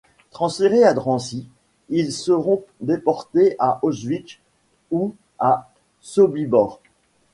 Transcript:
Transférés à Drancy, ils seront déportés à Auschwitz ou à Sobibor.